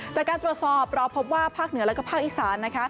จากการตรวจสอบเราพบว่าภาคเหนือและภาคอีสานนะคะ